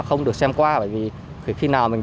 không được xem qua bởi vì khi nào mình